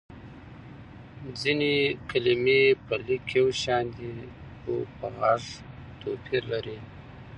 ځينې کلمې په ليک يو شان دي خو په غږ توپير لري.